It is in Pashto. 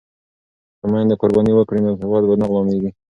که میندې قرباني ورکړي نو هیواد به نه غلامیږي.